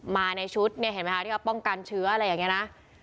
มาในชุดเนี่ยเห็นไหมคะที่เขาป้องกันเชื้ออะไรอย่างนี้นะ